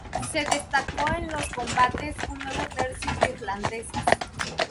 Se destacó en los combates un nuevo tercio de irlandeses.